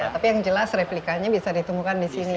tapi yang jelas replikanya bisa ditemukan di sini